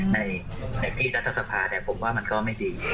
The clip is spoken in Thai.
ในที่รัฐสภาผมว่ามันก็ไม่ดี